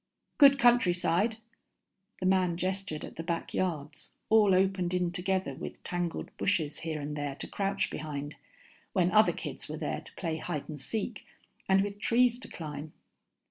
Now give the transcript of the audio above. _ "Good countryside." The man gestured at the back yards, all opened in together with tangled bushes here and there to crouch behind, when other kids were there to play hide and seek, and with trees to climb.